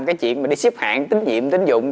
cái chuyện mình đi xếp hạn tính nhiệm tính dụng